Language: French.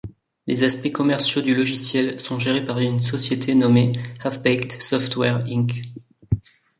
Les aspects commerciaux du logiciel sont gérés par une société nommée Half-Baked Software Inc.